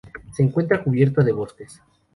Se encuentra cubierto de bosques.